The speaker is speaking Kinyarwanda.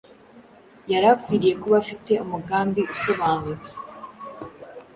yari akwiriye kuba afite umugambi usobanutse